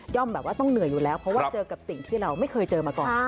แบบว่าต้องเหนื่อยอยู่แล้วเพราะว่าเจอกับสิ่งที่เราไม่เคยเจอมาก่อน